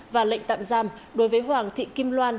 và lệnh tạm giam đối với hoàng thị kim loan